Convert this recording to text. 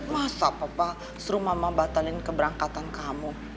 masa papa suruh mama batalin keberangkatan kamu